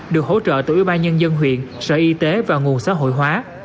được hỗ trợ từ ưu ba nhân dân huyện sở y tế và nguồn xã hội hóa